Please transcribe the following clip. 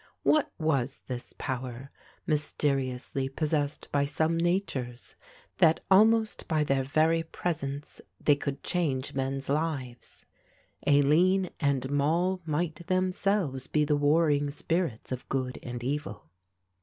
What was this power, mysteriously possessed by some natures, that almost by their very presence they could change men's lives; Aline and Moll might themselves be the warring spirits of good and evil.